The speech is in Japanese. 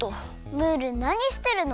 ムールなにしてるの？